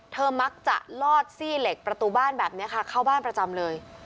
มักจะลอดซี่เหล็กประตูบ้านแบบนี้ค่ะเข้าบ้านประจำเลย